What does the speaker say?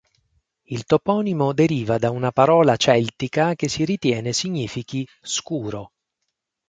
Il toponimo deriva da una parola celtica che si ritiene significhi "scuro".